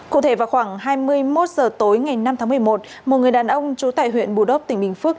cụ thể vào khoảng hai mươi một h tối ngày năm tháng một mươi một một người đàn ông trú tại huyện bù đốc tỉnh bình phước